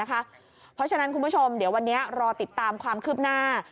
เพราะฉะนั้นคุณผู้ชมเดี๋ยววันนี้รอติดตามความคืบหน้า